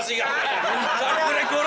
saya tidak memilih amin syidno